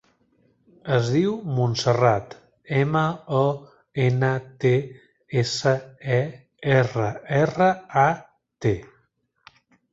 Es diu Montserrat: ema, o, ena, te, essa, e, erra, erra, a, te.